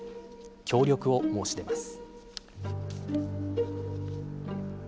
協力を申し出ます。